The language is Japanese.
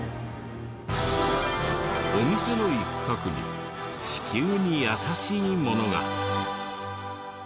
お店の一角に地球に優しいものが。